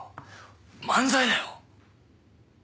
漫才だよ？